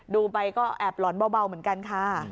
ดูไปก็แอบหลอนเบาเหมือนกันค่ะ